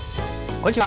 こんにちは。